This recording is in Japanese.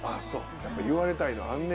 やっぱ言われたいのあんねや？